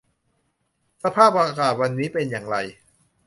สภาพอากาศวันนี้เป็นอย่างไร